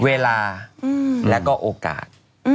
เวลาแล้วก็โอกาส